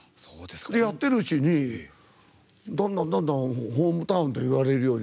やってるうちにどんどん、どんどんホームタウンと言われるように。